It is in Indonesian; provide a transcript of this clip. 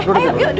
ayo yuk duduk